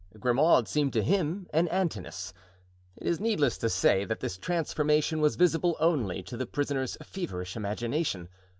Grimaud seemed to him an Antinous. It is needless to say that this transformation was visible only to the prisoner's feverish imagination.